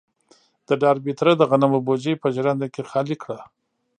د ډاربي تره د غنمو بوجۍ په ژرنده کې خالي کړه.